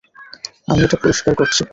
আমি এটা পরিষ্কার করছি।